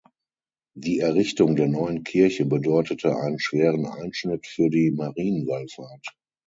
Die Errichtung der neuen Kirche bedeutete einen schweren Einschnitt für die Marienwallfahrt.